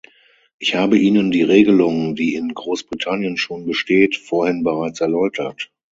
Ich habe Ihnen die Regelung, die in Großbritannien schon besteht, vorhin bereits erläutert.